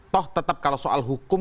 toh tetap kalau soal hukum